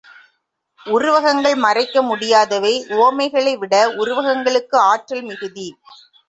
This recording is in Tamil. உருவகங்கள் மறக்க முடியாதவை உவமைகளைவிட உருவகங்களுக்கு ஆற்றல் மிகுதி.